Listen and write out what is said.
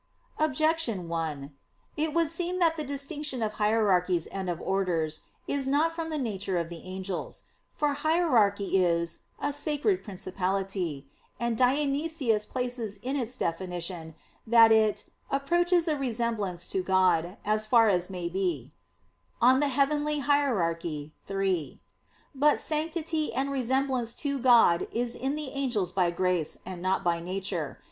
Objection 1: It would seem that the distinction of hierarchies and of orders is not from the nature of the angels. For hierarchy is "a sacred principality," and Dionysius places in its definition that it "approaches a resemblance to God, as far as may be" (Coel. Hier. iii). But sanctity and resemblance to God is in the angels by grace, and not by nature.